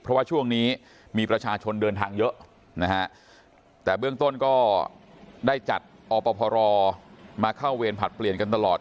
เพราะว่าช่วงนี้มีประชาชนเดินทางเยอะนะฮะแต่เบื้องต้นก็ได้จัดอพรมาเข้าเวรผลัดเปลี่ยนกันตลอด